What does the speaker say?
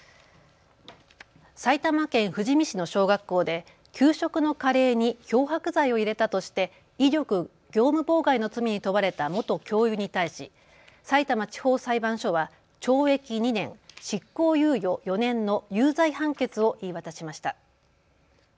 埼玉県富士見市の小学校で給食のカレーに漂白剤を入れたとして威力業務妨害の罪に問われた元教諭に対しさいたま地方裁判所は懲役２年執行猶予４年の有罪判決を言い渡しました。